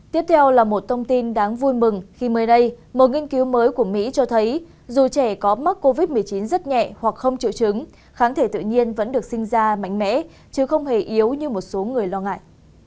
tiếp theo là một thông tin đáng vui mừng khi mới đây một nghiên cứu mới của mỹ cho thấy dù trẻ có mắc covid một mươi chín rất nhẹ hoặc không triệu chứng kháng thể tự nhiên vẫn được sinh ra mạnh mẽ chứ không hề yếu như một số người lo ngại